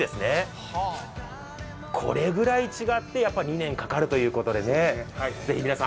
これぐらい違って２年かかるということでぜひ皆さん